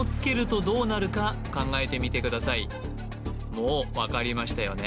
もう分かりましたよね